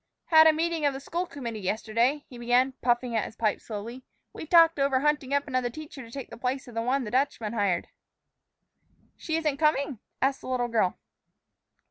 "Had a meeting of the school committee yesterday," he began, puffing at his pipe slowly. "We talked over hunting up another teacher to take the place of the one the Dutchman hired." "She isn't coming?" asked the little girl.